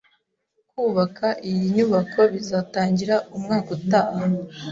Kubaka iyi nyubako bizatangira umwaka utaha.